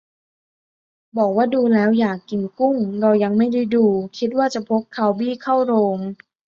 บอกว่า ดูแล้วอยากกินกุ้ง ! เรายังไม่ได้ดู - คิดว่าจะพกคาลบี้เข้าโรง